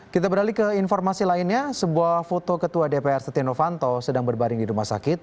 kita beralih ke informasi lainnya sebuah foto ketua dpr setia novanto sedang berbaring di rumah sakit